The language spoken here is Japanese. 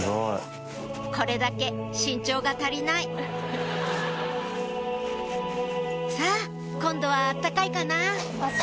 これだけ身長が足りないさぁ今度は温かいかな？